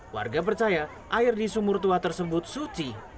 warga percaya air di sumur tua tersebut suci